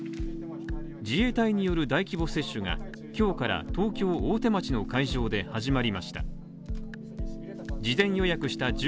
自衛隊による大規模接種が今日から東京・大手町の会場で始まりました。